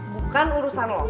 bukan urusan lo